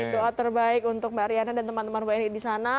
doa terbaik untuk mbak riana dan teman teman wni di sana